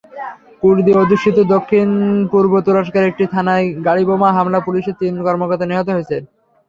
কুর্দি-অধ্যুষিত দক্ষিণ-পূর্ব তুরস্কের একটি থানায় গাড়িবোমা হামলায় পুলিশের তিন কর্মকর্তা নিহত হয়েছেন।